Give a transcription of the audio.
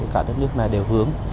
cả đất nước này đều hướng